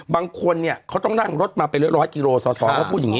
บางคนเนี่ยเขาต้องนั่งรถมาเป็นร้อยกิโลสอสอเขาพูดอย่างนี้